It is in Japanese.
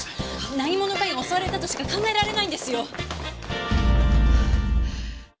何者かに襲われたとしか考えられないんですよ。